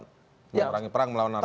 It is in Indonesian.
menyerangi perang melawan narkoba